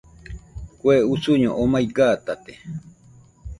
Kue usuño omai gatate